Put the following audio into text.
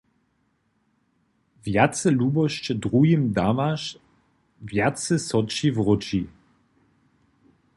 »Wjace lubosće druhim dawaš, wjace so ći wróći.«